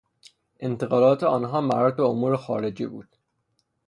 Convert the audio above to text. انتقادات آنها مربوط به امور خارجه بود.